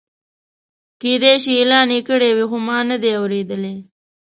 کېدای شي اعلان یې کړی وي خو ما نه دی اورېدلی.